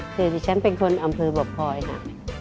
คือดิฉันเป็นคนอำเภอบ่อพลอยค่ะ